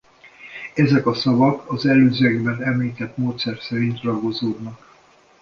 Ezek a szavak az előzőekben említett módszer szerint ragozódnak.